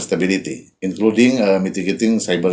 termasuk memperlengkakan risiko kiber